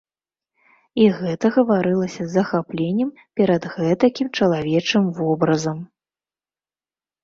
І гэта гаварылася з захапленнем перад гэтакім чалавечым вобразам.